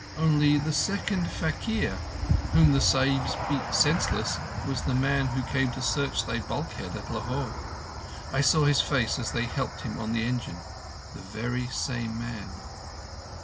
Only, the second faquir, whom the Sahibs beat senseless, was the man who came to search thy bulkhead at Lahore. I saw his face as they helped him on the engine. The very same man."